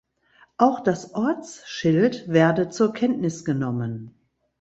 Auch das Ortsschild werde zur Kenntnis genommen.